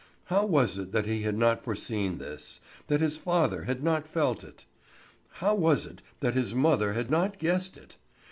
How was it that he had not foreseen this, that his father had not felt it? How was it that his mother had not guessed it?